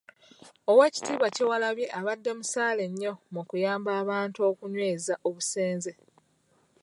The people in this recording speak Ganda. Oweekitiibwa Kyewalabye abadde musaale nnyo mu kuyamba abantu okunyweeza obusenze